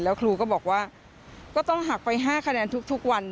แล้วครูก็บอกว่าก็ต้องหักไป๕คะแนนทุกวัน